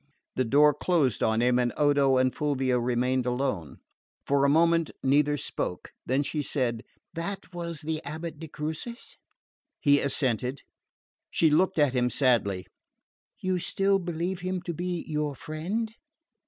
The door closed on him, and Odo and Fulvia remained alone. For a moment neither spoke; then she said: "That was the abate de Crucis?" He assented. She looked at him sadly. "You still believe him to be your friend?"